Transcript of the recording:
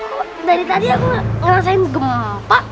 kok dari tadi aku gak ngerasain gempa